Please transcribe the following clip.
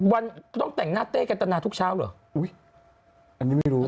วันต้องแต่งหน้าเต้กันตนาทุกเช้าเหรออุ้ยอันนี้ไม่รู้